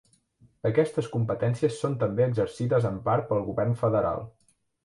Aquestes competències són també exercides en part pel govern federal.